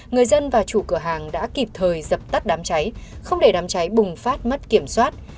người dân và chủ cửa hàng đã kịp thời dập tắt đám cháy không để đám cháy bùng phát mất kiểm soát